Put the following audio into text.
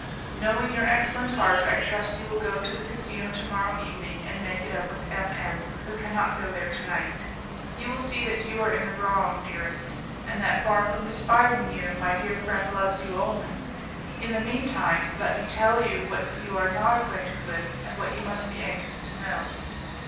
Knowing your excellent heart, I trust you will go to the casino to morrow evening and make it up with M M , who cannot go there to night. You will see that you are in the wrong, dearest, and that, far from despising you, my dear friend loves you only. In the mean time, let me tell you what you are not acquainted with, and what you must be anxious to know.